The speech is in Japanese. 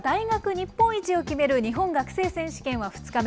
日本一を決める日本学生選手権は２日目。